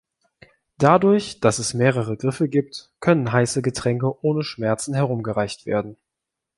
Dadurch, dass es mehrere Griffe gibt, können heiße Getränke ohne Schmerzen herumgereicht werden.